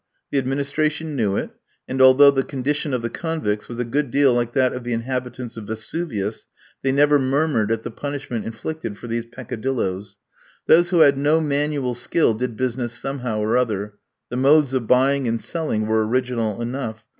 The administration knew it; and although the condition of the convicts was a good deal like that of the inhabitants of Vesuvius, they never murmured at the punishment inflicted for these peccadilloes. Those who had no manual skill did business somehow or other. The modes of buying and selling were original enough.